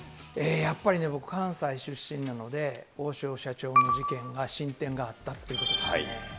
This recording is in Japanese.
やっぱりね、僕、関西出身なので、王将社長の事件が進展があったということですね。